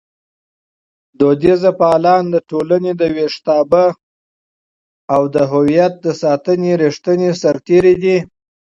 فرهنګي فعالان د ټولنې د ویښتابه او د هویت د ساتنې ریښتیني سرتېري دي.